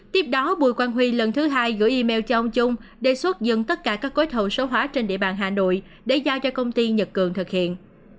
tiếp đó bùi quang huy lần thứ hai gửi email cho ông chung đề xuất dừng tất cả các gói thầu số hóa trên địa bàn hà nội để giao cho công ty nhật cường thực hiện